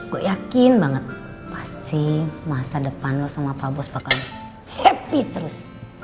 gue yakin banget pasti masa depan lo sama pak bos bakal happy terus